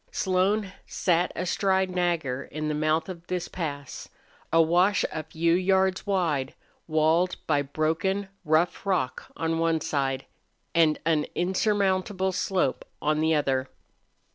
Slone sat astride Nagger in the mouth of this pass a wash a few yards wide, walled by broken, rough rock on one side and an insurmountable slope on the other.